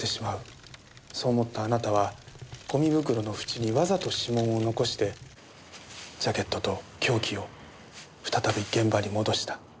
そう思ったあなたはゴミ袋の縁にわざと指紋を残してジャケットと凶器を再び現場に戻した。